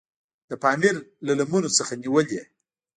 د پامیر له لمنو څخه نیولې.